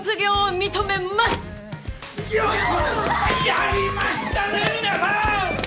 やりましたね皆さん！